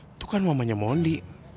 itu kan mamanya mondi